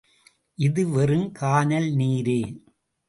இது வெறும் கானல் நீரே.